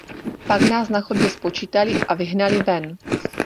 Pak nás na chodbě spočítali a vyhnali ven.